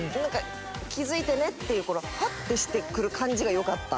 気づいてねっていうこのフワッてしてくる感じがよかった。